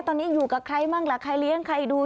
ตอนนี้อยู่กับใครบ้างล่ะใครเลี้ยงใครดู